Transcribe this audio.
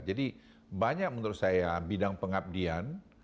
jadi banyak menurut saya bidang pengabdian